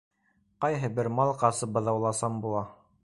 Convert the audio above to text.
Ҡайһы бер мал ҡасып быҙаулаусан була.